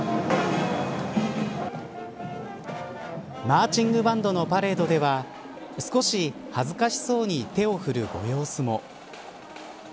マーチングバンドのパレードでは少し恥ずかしそうに手を振るご様子も。